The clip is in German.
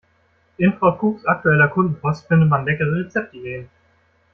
In Frau Kuchs aktueller Kundenpost findet man leckere Rezeptideen.